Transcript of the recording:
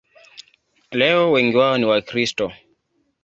Leo wengi wao ni Wakristo.